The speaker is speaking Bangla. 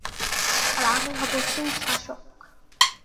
আর আমি হব সেই শাসক।